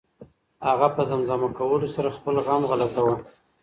هغه په زمزمه کولو سره خپل غم غلطاوه.